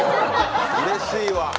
うれしいわ。